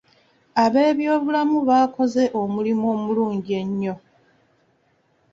Ab'ebyobulamu bakoze omulimu omulungi ennyo